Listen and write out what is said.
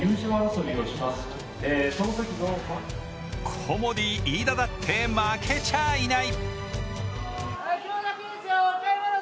コモディイイダだって負けちゃあいない。